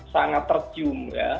sangat tercium ya